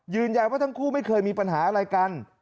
ว่าทั้งคู่ไม่เคยมีปัญหาอะไรกัน